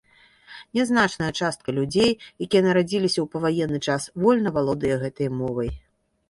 Нязначная частка людзей, якія нарадзіліся ў паваенны час, вольна валодае гэтай мовай.